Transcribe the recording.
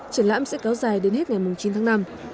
triển lãm sẽ kéo dài đến hết ngày chín tháng năm